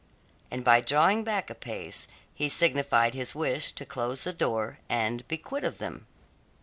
And by drawing back a pace he signified his wish to close the door and be quit of them.